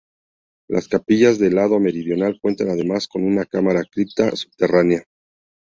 Las capillas del lado meridional cuentan además con una cámara-cripta subterránea.